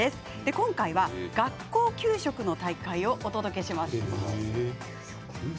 今回は学校給食の大会をお届けします。